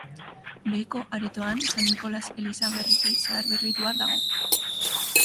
Beheko aretoan, San Nikolas eliza berriki zaharberritua dago.